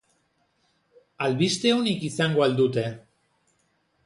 Albiste onik izango al dute?